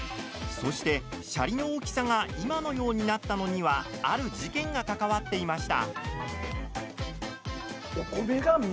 そして、シャリの大きさが今のようになったのにはある事件が関わっていました。